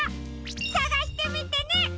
さがしてみてね！